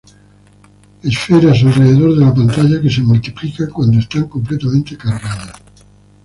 Esferas alrededor de la pantalla que se multiplican cuando están completamente cargadas.